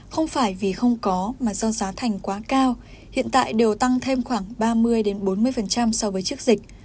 không phải vì không có mà do giá thành quá cao hiện tại đều tăng thêm khoảng ba mươi bốn mươi so với trước dịch